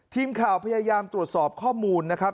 ทีมข่าวพยายามตรวจสอบข้อมูลนะครับ